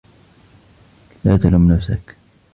لا تلُم نفسك.